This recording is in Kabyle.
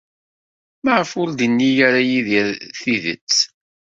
Maɣef ur d-yenni ara Yidir tidet?